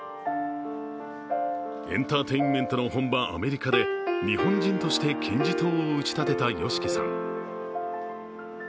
エンターテインメントの本場・アメリカで日本人として金字塔を打ち立てたＹＯＳＨＩＫＩさん。